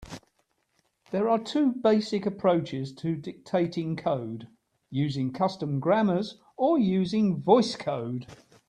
There are two basic approaches to dictating code: using custom grammars or using VoiceCode.